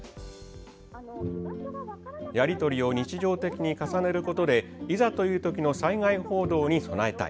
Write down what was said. やり取りを日常的に重ねることでいざという時の災害報道に備えたい。